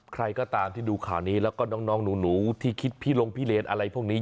ใครก็ตามที่ดูข่าวนี้แล้วก็น้องหนูที่คิดพิลงพิเลนอะไรพวกนี้